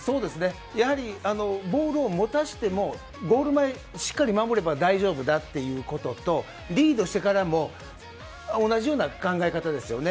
やはりボールを持たせてもゴール前しっかり守れば大丈夫だっていうこととリードしてからも同じような考え方ですよね。